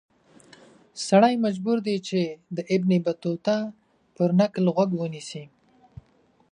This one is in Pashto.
سړی مجبور دی چې د ابن بطوطه پر نکل غوږ ونیسي.